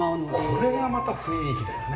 これがまた雰囲気だよね。